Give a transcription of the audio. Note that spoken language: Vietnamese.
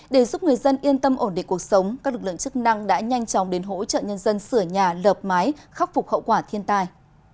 để giúp người dân yên tâm ổn định cuộc sống các lực lượng chức năng đã nhanh chóng đến hỗ trợ nhân dân sửa nhà lợp mái khắc phục hậu quả thiên tai